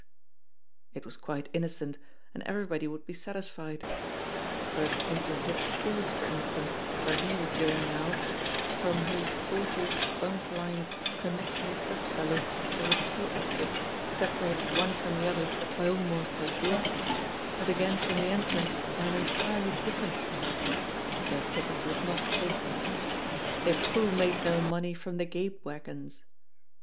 73 74 JIMMIE DALE AND THE PHANTOM CLUE It was quite innocent, and everybody would be satisfied ; but into Hip Foo's, for instance, where he was going now, from whose tortuous, bunk lined, connecting sub cellars there were two exits separated one from the other by almost a block, and again from the entrance by an entirely different street, their tickets would not take them. Hip Foo made no money from the gape wagons